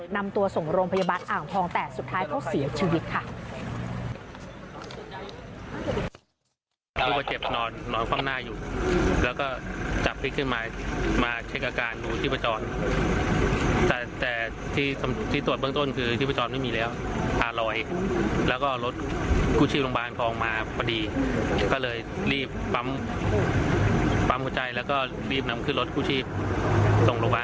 นำตัวส่งโรงพยาบาลอ่างทองแต่สุดท้ายเขาเสียชีวิตค่ะ